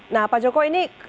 nah pak joko ini